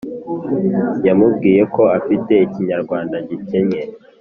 yamubwiye ko afite ikinyarwnda gikennye